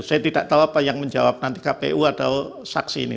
saya tidak tahu apa yang menjawab nanti kpu atau saksi ini